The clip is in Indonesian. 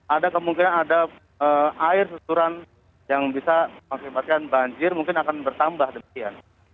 ada kemungkinan ada air susuran yang bisa mengakibatkan banjir mungkin akan bertambah demikian